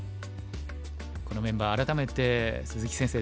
このメンバー改めて鈴木先生